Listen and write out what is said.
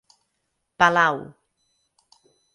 Palau.